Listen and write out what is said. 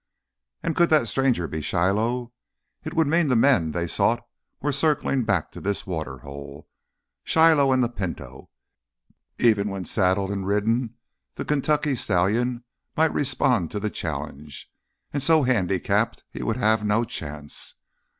And could that stranger be Shiloh? It would mean the men they sought were circling back to this water hole. Shiloh and the Pinto! Even when saddled and ridden, the Kentucky stallion might respond to the challenge. And so handicapped he would have no chance!